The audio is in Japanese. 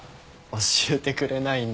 教えてくれないんだ。